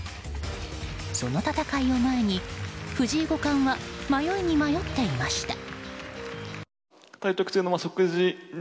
その戦いを前に藤井五冠は迷いに迷っていました。